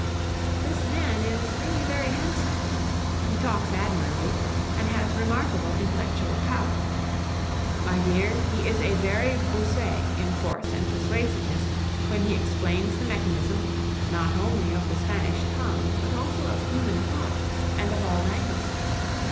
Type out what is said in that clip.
This man is really very handsome. He talks admirably, and has remarkable intellectual power. My dear, he is a very Bossuet in force and persuasiveness when he explains the mechanism, not only of the Spanish tongue, but also of human thought and of all language.